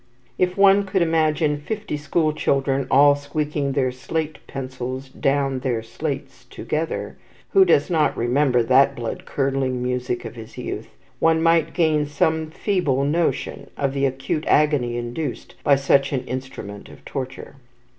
If one could imagine fifty school children all squeaking their slate pencils down their slates together, who does not remember that blood curdling music of his youth? one might gain some feeble notion of the acute agony induced by such an instrument of torture.